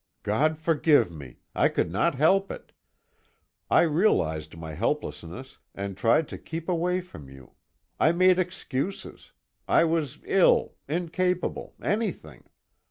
God forgive me! I could not help it. I realized my helplessness, and tried to keep away from you. I made excuses. I was ill, incapable, anything.